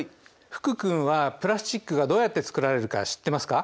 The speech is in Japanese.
福君はプラスチックがどうやってつくられるか知ってますか？